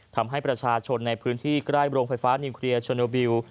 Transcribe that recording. ทำให้ประชาชนในพื้นที่ใกล้โรงไฟฟ้านิวเคลียร์โชโนบิล